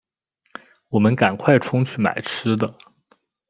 我们赶快冲去买吃的